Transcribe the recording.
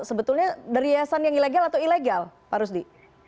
sebetulnya dari yayasan yang ilegal atau ilegal pak rusdi